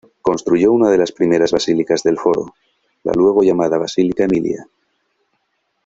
Construyó una de las primeras basílicas del Foro, la luego llamada Basílica Emilia.